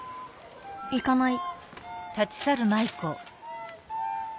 行かない。